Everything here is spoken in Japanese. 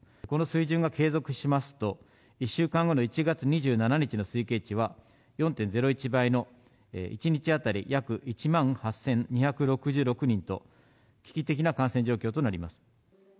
この水準が継続しますと、１週間後の１月２７日の推計値は、４．０１倍の１日当たり約１万８２６６人と、危機的な感染状況となります。